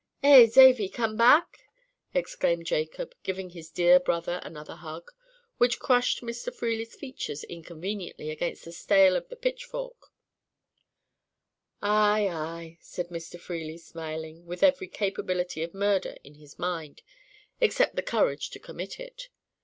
"Eh, Zavy, come back?" exclaimed Jacob, giving his dear brother another hug, which crushed Mr. Freely's features inconveniently against the handle of the pitchfork. "Aye, aye," said Mr. Freely, smiling, with every capability of murder in his mind, except the courage to commit it.